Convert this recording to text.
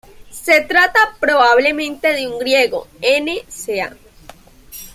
Se trata probablemente de un griego, n. ca.